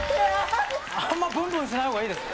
あんまブンブンしない方がいいです。